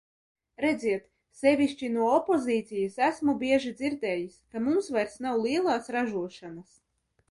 Redziet, sevišķi no opozīcijas esmu bieži dzirdējis, ka mums vairs nav lielās ražošanas.